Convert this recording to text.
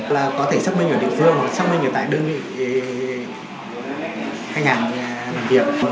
là có thể xác minh ở địa phương và xác minh ở tại đơn vị khách hàng làm việc